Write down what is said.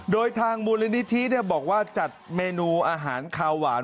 โดยทางมูลนิธิบอกว่าจัดเมนูอาหารคาวหวาน